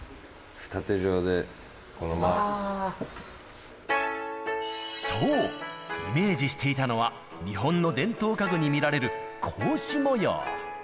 縦状で、そう、イメージしていたのは、日本の伝統家具に見られる格子模様。